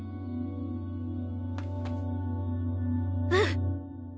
うん！